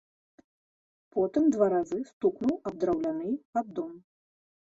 Потым два разы стукнуў аб драўляны паддон.